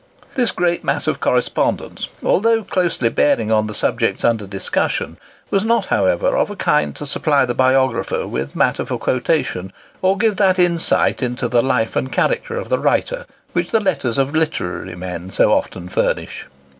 This great mass of correspondence, although closely bearing on the subjects under discussion, was not, however, of a kind to supply the biographer with matter for quotation, or give that insight into the life and character of the writer which the letters of literary men so often furnish.